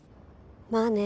まあね。